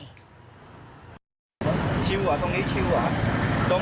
นั่งเหมือนอะไรบ้าง